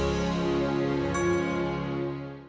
ustadz jaki udah bebas